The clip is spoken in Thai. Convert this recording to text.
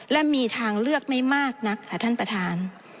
และมีทางเลือกไม่มากนักค่ะท่านประธาน